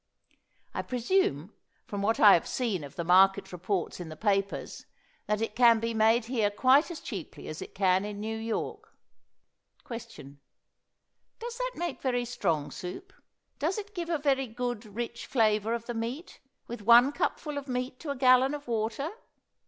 I presume, from what I have seen of the market reports in the papers, that it can be made here quite as cheaply as it can in New York. Question. Does that make very strong soup does it give a very good rich flavor of the meat, with one cupful of meat to a gallon of water?